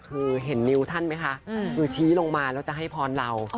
คือเห็นนิ้วท่านไหมคะคือชี้ลงมาแล้วจะให้พรเรา